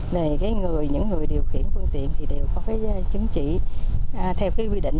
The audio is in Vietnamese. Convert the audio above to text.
những người điều kiện phương tiện đều có chứng chỉ theo quy định